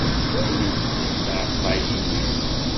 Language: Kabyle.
Ktalent tɛaqqayin-is.